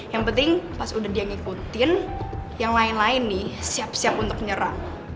yang penting pas udah dia ngikutin yang lain lain nih siap siap untuk nyerang